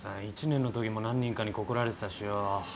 １年のときも何人かに告られてたしよ